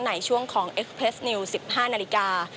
ในช่วงของเอ็กซเพลสนิว๑๕นาฬิกา